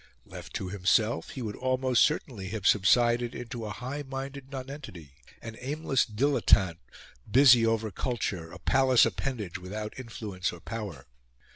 Left to himself, he would almost certainly have subsided into a high minded nonentity, an aimless dilettante busy over culture, a palace appendage without influence or power.